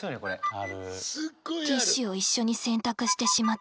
ティッシュを一緒に洗濯してしまった。